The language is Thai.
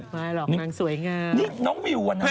มีนางสวยงาม